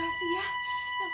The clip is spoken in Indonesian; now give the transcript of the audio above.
kepada siapa saya harus mengadu